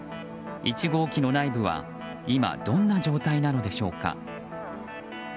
１号機の内部は、今どんな状態なのでしょうか。